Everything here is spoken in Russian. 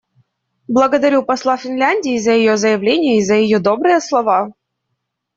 Благодарю посла Финляндии за ее заявление и за ее добрые слова.